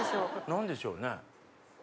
何でしょうね。